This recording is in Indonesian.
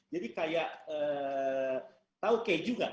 jadi kayak tahu keju nggak